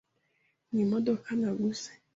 Ni imodoka naguze.